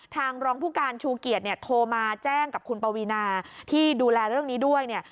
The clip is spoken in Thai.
ทางรองผู้การชูเกียจโทรมาแจ้งกับคุณปวีนาที่ดูแลเรื่องนี้ด้วย